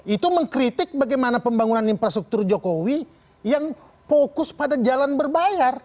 itu mengkritik bagaimana pembangunan infrastruktur jokowi yang fokus pada jalan berbayar